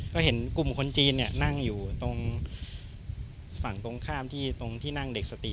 ก็เห็นกลุ่มคนจีนนั่งอยู่ตรงฝั่งตรงข้ามที่ตรงที่นั่งเด็กสติ